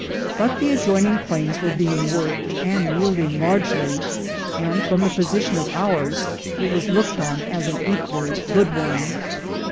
But the adjoining claims were being worked, and yielding largely, and from the position of ours, it was looked on as an equally good one.